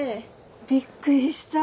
びっくりした。